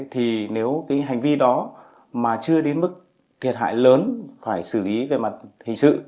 thì nếu cái hành vi đó mà chưa đến mức thiệt hại lớn phải xử lý về mặt hình sự